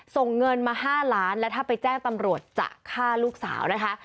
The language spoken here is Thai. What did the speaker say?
ส่งเงินมา๕ล้านและถ้าไปแจ้งตำรวจจะฆ่าลูกสาวนะคะ